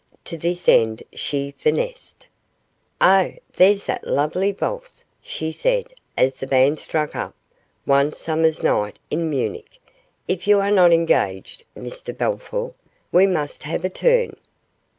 To this end she finessed. 'Oh! there's that lovely valse,' she said, as the band struck up 'One summer's night in Munich'. 'If you are not engaged, Mr Bellthorp, we must have a turn.